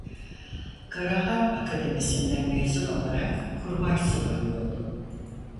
Kara Harp Akademisinden mezun olarak kurmay subay oldu.